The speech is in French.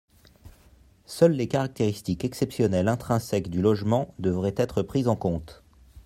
Seules les caractéristiques exceptionnelles intrinsèques du logement devraient être prises en compte.